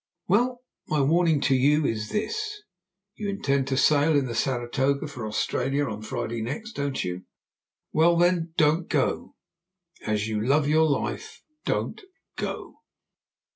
"Well, my warning to you is this you intend to sail in the Saratoga for Australia on Friday next, don't you? Well, then, don't go; as you love your life, don't go!"